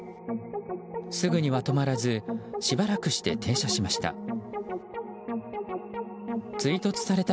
すぐには止まらずしばらくして停車しました。